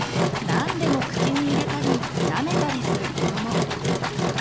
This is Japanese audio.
何でも口に入れたりなめたりする子ども。